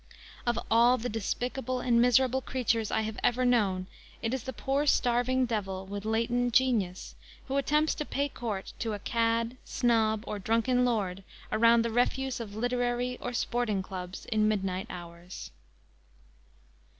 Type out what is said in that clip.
Of all the despicable and miserable creatures I have ever known it is the poor starving devil, with latent genius, who attempts to pay court to a cad, snob, or drunken lord around the refuse of literary or sporting clubs in midnight hours.